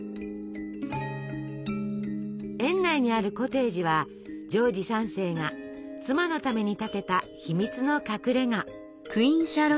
園内にあるコテージはジョージ３世が妻のために建てた秘密の隠れが。